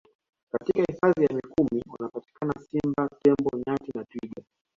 Katika Hifadhi ya Mikumi wanapatikana Simba Tembo Nyati na Twiga